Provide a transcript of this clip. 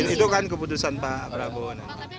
itu kan keputusan pak prabowo